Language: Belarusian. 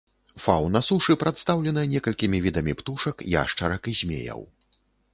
Фаўна сушы прадстаўлена некалькімі відамі птушак, яшчарак і змеяў.